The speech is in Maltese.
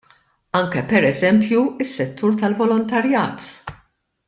Anke pereżempju s-settur tal-volontarjat.